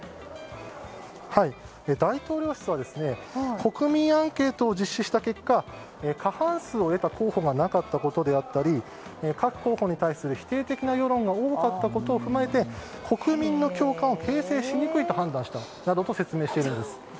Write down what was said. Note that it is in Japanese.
大統領室は国民アンケートを実施した結果過半数を得た候補がなかったことであったり各候補に対する否定的な世論が多かったことを踏まえて国民の共感を形成しにくいと判断したなどと説明しているんです。